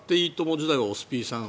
時代はおすピーさん